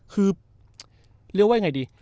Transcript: คือเรียกว่ายังไงดี